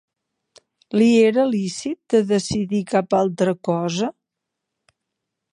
Li era lícit de decidir cap altra cosa?